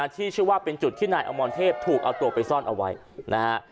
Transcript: ที่ชื่อว่าเป็นจุดที่นายอมรเทพถูกเอาตัวไปซ่อนเอาไว้นะฮะ